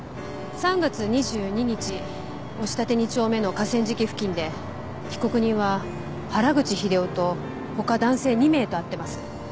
３月２２日押立２丁目の河川敷付近で被告人は原口秀夫と他男性２名と会ってます。